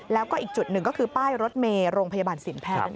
แล้วก็อีกจุดหนึ่งก็คือป้ายรถเมลงพยาบาลศิลป์แพทย์